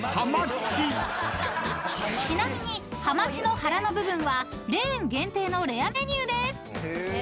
［ちなみにはまちの腹の部分はレーン限定のレアメニューです］